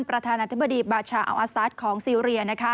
ประธานาธิบดีบาชาอัลอาซาสของซีเรีย